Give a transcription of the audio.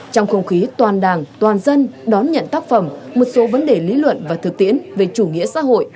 trong không khí toàn đảng toàn dân đón nhận tác phẩm một số vấn đề lý luận và thực tiễn về chủ nghĩa xã hội